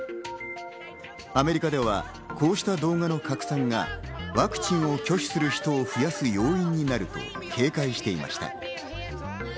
アメリカではこうした動画の拡散がワクチンを拒否する人を増やす要因となると警戒していました。